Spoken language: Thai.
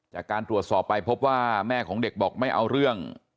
จากการตรวจสอบไปพบว่าแม่ของเด็กบอกไม่เอาเรื่อง